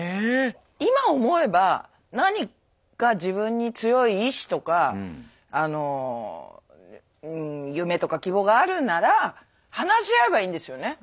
今思えば何か自分に強い意志とかあの夢とか希望があるなら話し合えばいいんですよね。